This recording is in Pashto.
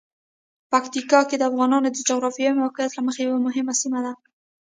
پکتیکا د افغانانو د جغرافیايی موقعیت له مخې یوه مهمه سیمه ده.